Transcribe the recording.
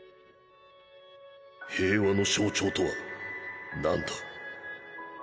平和の象徴とは何だ？